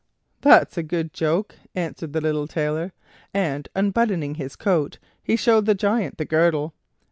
"That's a good joke," answered the little Tailor, and unbuttoning his coat he showed the Giant the girdle.